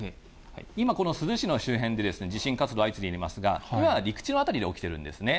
今、この珠洲市の周辺で地震活動、相次いでいますが、これは陸地の辺りで起きているんですね。